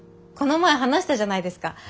この前話したじゃないですか。